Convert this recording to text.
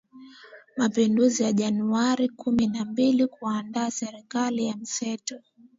Mapinduzi ya Januari kumi na mbili kuunda Serikali ya mseto